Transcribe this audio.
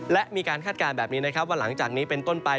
และมีการคาดการณ์แบบนี้นะครับว่าหลังจากนี้เป็นต้นไป